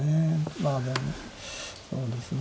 まあもうそうですね